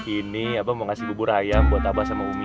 ini abang mau kasih bubur ayam buat apa sama umi